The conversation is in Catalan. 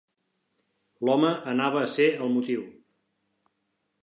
L'home anava a ser el motiu.